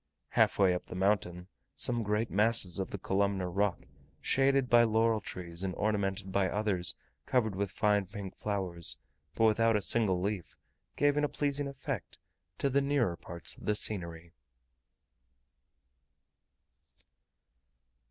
Half way up the mountain, some great masses of the columnar rock, shaded by laurel like trees, and ornamented by others covered with fine pink flowers but without a single leaf, gave a pleasing effect to the nearer parts of the scenery.